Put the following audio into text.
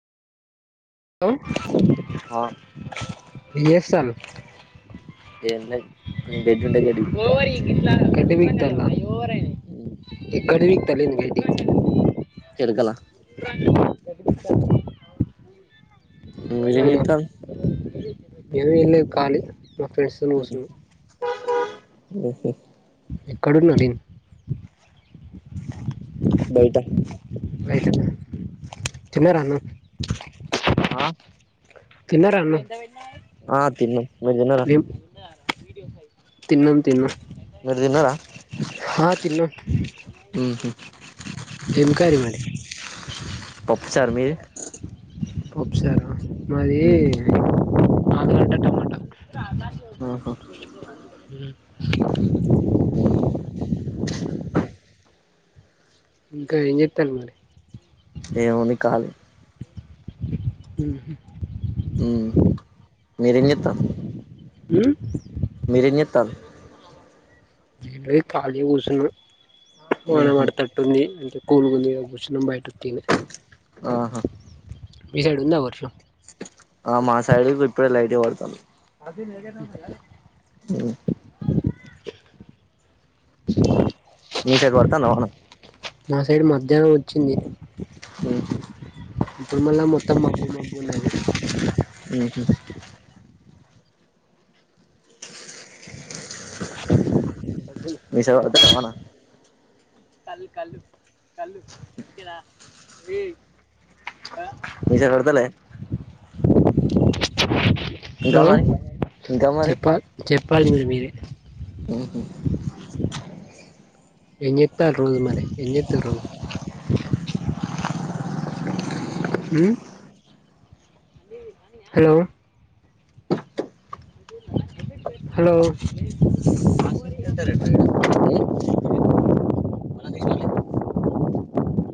[unintelligible] [unintelligible] ఆ ఏం లేదు కొంచెం గడ్డి ఉంటే గడ్డి పీకుతా ఎక్కడ [unintelligible] చెరుగల [unintelligible] [unintelligible] ఖాలి మా ఫ్రెండ్స్ తోని కూసున్న ఓహో ఎక్క [unintelligible] బయట తిన్నార అన్నం ఆ తిన్నార ఆ తిన్నాం మీరు తిన్నారా [unintelligible] తిన్నం తిన్నం మీరు తిన్నార హా తిన్నం [unintelligible] పప్పు చారు మీది పప్పుసార మది ఉహు ఆలుగడ్డ టమాట ఆహా ఉ ఇంక ఏం [unintelligible] మరి ఏముంది కాలి ఉ ఉమ్ మీరెంజేతరు ఉ మీరేంజేతల్లు ఇక్కడే తాగి కూసున్నాం వాన ఉహు పడతా టుంది అంటే కూల్గుంది కూర్చున్నాం బయట తిని ఆహా మీ కాడ ఉందా వర్షం అ మా సైడ్ ఇప్పుడే లైట్ గా పడ్తంది మ్మ్ మీ సైడ్ పడ్తంద వాన నా సైడ్ మధ్యానం వచ్చింది మ్మ్ హు ఇప్పుడు మల్ల మొత్తం మబ్బు మబ్బున్నది మ్మ్ హు [inaudible] మీ సైడ్ పడుతుందా వాన కల్ కల్లు కల్లు ఓకేనా ఏయ్ అ మీ సైడ్ పడ్తలే ఇంకా హలో మరి ఇంకా చెప్పాలి చెప్పాలి ఇంగ మీరే మ్మ్ హు ఎంజెతరు రోజు మరి ఎంజేతుర్రు మ్మ్ హలో హలో మ్మ్ మళ్ళా తీస్ మళ్ళీ